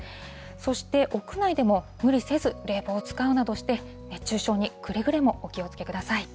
そして、屋内でも無理せず冷房を使うなどして、熱中症にくれぐれもお気をつけください。